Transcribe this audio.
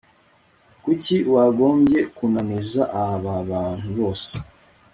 ni kuki wagombye kunaniza aba bantu bose